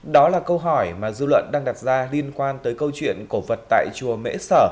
đó là câu hỏi mà dư luận đang đặt ra liên quan tới câu chuyện cổ vật tại chùa mễ sở